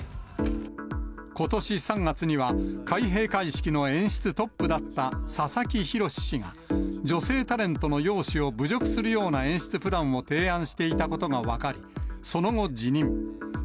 ことし３月には、開閉会式の演出トップだった佐々木宏氏が、女性タレントの容姿を侮辱するような演出プランを提案していたことが分かり、その後、辞任。